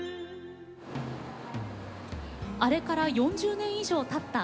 あれから４０年以上たった